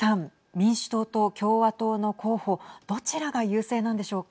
民主党と共和党の候補どちらが優勢なんでしょうか。